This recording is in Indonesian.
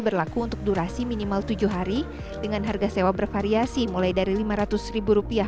berlaku untuk durasi minimal tujuh hari dengan harga sewa bervariasi mulai dari lima ratus rupiah